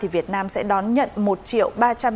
việt nam sẽ đón nhận một triệu ba trăm bảy mươi ba